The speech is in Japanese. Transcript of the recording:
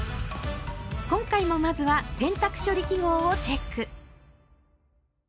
今回もまずは「洗濯処理記号」をチェック。